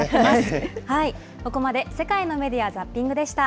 ここまで世界のメディア・ザッピングでした。